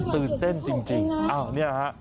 ตื่นเต้นจริงอ้าวเนี่ยฮะ